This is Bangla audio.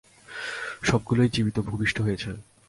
সবগুলোই জীবিত ভূমিষ্ট হয়েছে।